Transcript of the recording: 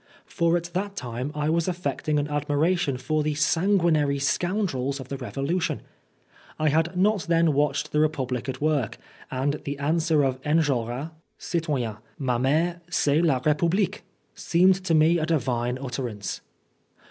For at that time I was affecting an admiration for the sanguinary scoundrels of the Revolution. I had not then watched the Republic at work, and the answer of Enjolras, " Citoyen, ma mere, c'est la Republique," seemed to me a divine utter ance.